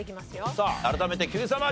さあ改めてＱさま！！